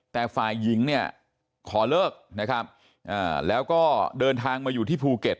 แต่ฝ่ายหญิงเนี่ยขอเลิกนะครับแล้วก็เดินทางมาอยู่ที่ภูเก็ต